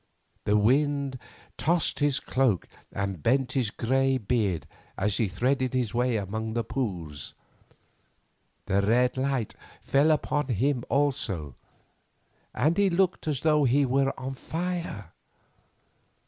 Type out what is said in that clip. The wind tossed his cloak and bent his grey beard as he threaded his way among the pools. The red light fell upon him also, and he looked as though he were on fire.